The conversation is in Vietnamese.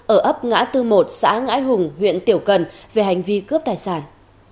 ở ấp ngã tư một xã ngãi hùng huyện tiểu cần về hành vi cướp tài sản